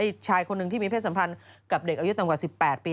ชายคนหนึ่งที่มีเพศสัมพันธ์กับเด็กอายุต่ำกว่า๑๘ปี